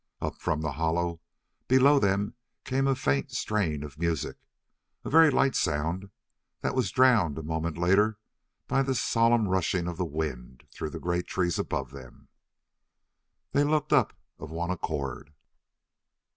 Up from the hollow below them came a faint strain of music, a very light sound that was drowned a moment later by the solemn rushing of the wind through the great trees above them. They looked up of one accord.